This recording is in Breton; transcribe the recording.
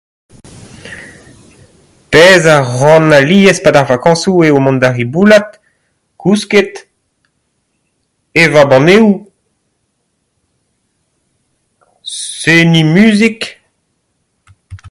Pezh a ran alies 'pad ar vakañsoù eo mont da riboulat, kousket, evañ banneoù, seniñ muzik.